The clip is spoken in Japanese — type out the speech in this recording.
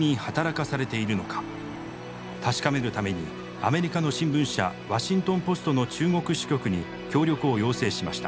確かめるためにアメリカの新聞社ワシントン・ポストの中国支局に協力を要請しました。